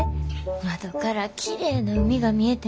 窓からきれいな海が見えてな。